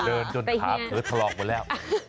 เดินจนขาเผลอถลอกหมดแล้ว